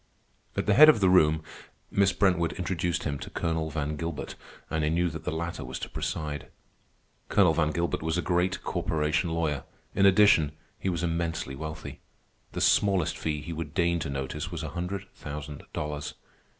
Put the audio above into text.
At the head of the room, Miss Brentwood introduced him to Colonel Van Gilbert, and I knew that the latter was to preside. Colonel Van Gilbert was a great corporation lawyer. In addition, he was immensely wealthy. The smallest fee he would deign to notice was a hundred thousand dollars.